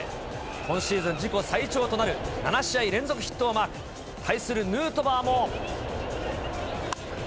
今シーズン自己最長となる７試合連続ヒットをマーク。対するヌートバーも。